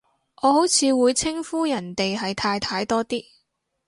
我好似會稱呼人哋係太太多啲